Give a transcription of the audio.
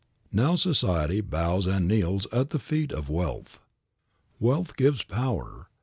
Now, society bows and kneels at the feet of wealth. Wealth gives power.